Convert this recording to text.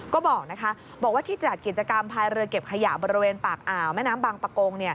ก็บอกว่าที่จัดกิจกรรมพายเรือเก็บขยะบริเวณปากอ่าวแม่น้ำบางปะโกง